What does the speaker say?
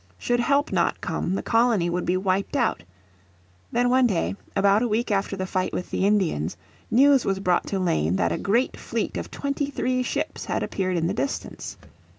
Should help not come the colony would be wiped out. Then one day, about a week after the fight with the Indians, news was brought to Lane that a great fleet of twenty three ships had appeared in the distance.